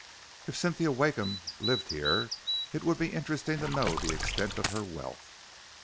If Cynthia Wakeham lived here, it would be interesting to know the extent of her wealth.